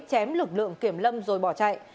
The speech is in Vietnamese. chém lực lượng kiểm lâm rồi bỏ chạy